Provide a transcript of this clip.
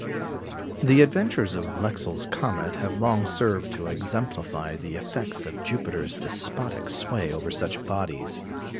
The adventures of Lexell's comet have long served to exemplify the effects of Jupiter's despotic sway over such bodies.